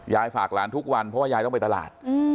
ฝากหลานทุกวันเพราะว่ายายต้องไปตลาด